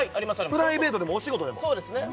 プライベートでもお仕事でもそうですね